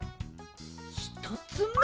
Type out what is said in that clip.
ひとつめ。